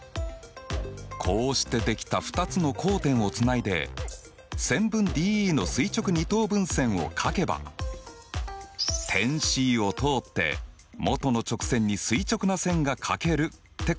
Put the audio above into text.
こうして出来た２つの交点をつないで線分ＤＥの垂直二等分線を書けば点Ｃを通って元の直線に垂直な線が書けるってことだね。